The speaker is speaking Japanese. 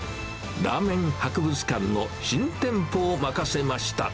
ラーメン博物館の新店舗を任せました。